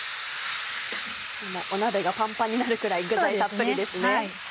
今鍋がパンパンになるくらい具材たっぷりですね。